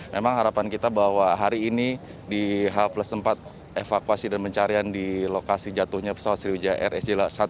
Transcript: memang harapan kita bahwa hari ini di h empat evakuasi dan pencarian di lokasi jatuhnya pesawat sriwijaya rsj satu ratus delapan puluh dua